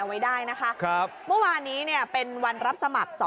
เอาไว้ได้นะคะคือเมื่อวานนี้เนี่ยเป็นวันรับสมัคร